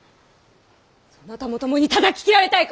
そなたも共にたたき斬られたいか！